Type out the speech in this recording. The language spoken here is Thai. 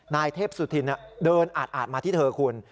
นายเทพสุธินเดินอาดมาที่เธอคุณ